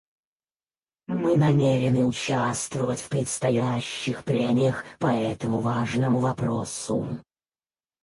Мы намерены участвовать в предстоящих прениях по этому важному вопросу.